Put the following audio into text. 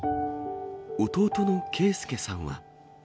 弟の啓介さんは。